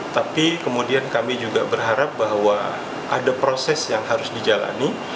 tapi kemudian kami juga berharap bahwa ada proses yang harus dijalani